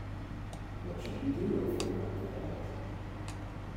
What should we do if we're not good at it?